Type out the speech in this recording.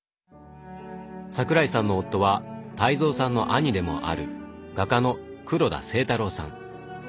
桜井さんの夫は泰蔵さんの兄でもある画家の黒田征太郎さん。